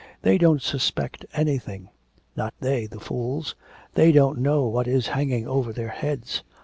'They don't suspect anything, not they, the fools; they don't know what is hanging over their heads.